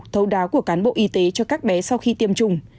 thấu đáo của cán bộ y tế cho các bé sau khi tiêm chủng